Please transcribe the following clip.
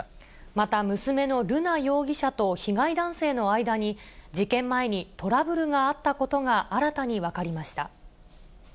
また娘の瑠奈容疑者と被害男性の間に、事件前にトラブルがあったことが新たに分かりました。